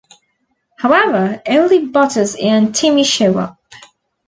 However, only Butters and Timmy show up.